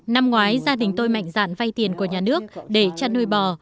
năm ngoái gia đình tôi mạnh dạn vay tiền của nhà nước để chăn nuôi bò